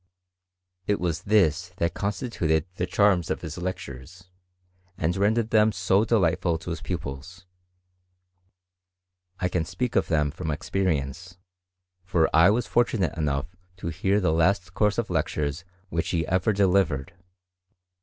It was this that constituted the charm of his lectures, and rendered them so de lightful to his pupils. I can speak of them from ex perience, for I was fortunate enough to hear the hot \? CHEMISTftT IX GREAT BRITAIN. 327 ^'^toe of lectures which he ever delivered.